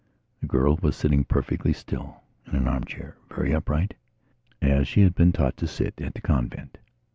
The girl was sitting perfectly still in an armchair, very upright, as she had been taught to sit at the convent.